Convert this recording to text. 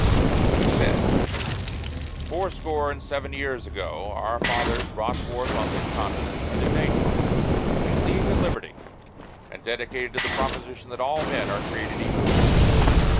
He said: "Fourscore and seven years ago our fathers brought forth on this continent a new nation, conceived in liberty, and dedicated to the proposition that all men are created equal.